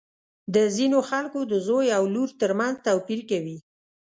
د ځینو خلکو د زوی او لور تر منځ توپیر کوي.